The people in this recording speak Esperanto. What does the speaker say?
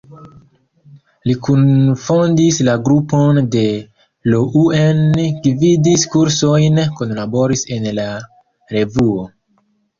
Li kunfondis la grupon de Rouen, gvidis kursojn, kunlaboris en la Revuo.